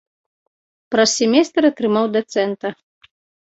Праз семестр атрымаў дацэнта.